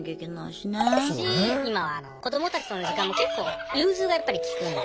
し今は子どもたちとの時間も結構融通がやっぱりきくんで。